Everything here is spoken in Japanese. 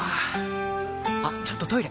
あっちょっとトイレ！